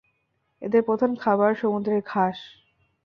এদের প্রধান খাবার সমুদ্রের ঘাস।